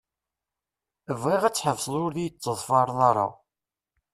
Bɣiɣ ad tḥebseḍ ur yi-d-teṭṭfaṛeḍ ara.